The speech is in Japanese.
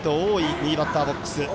右バッターボックス。